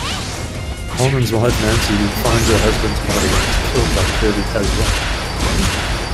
Halman's wife Nancy finds her husband's body and is killed by Kirby as well.